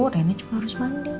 rena juga harus mandi